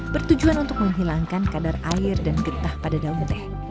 bertujuan untuk menghilangkan kadar air dan getah pada daun teh